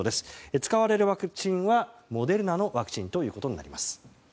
使われるワクチンはモデルナのワクチンということになります。